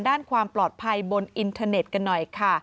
ด้านความปลอดภัยบนอินเทอร์เน็ตกันหน่อยค่ะ